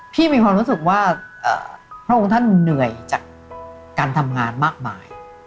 มีความรู้สึกว่าพระองค์ท่านเหนื่อยจากการทำงานมากมาย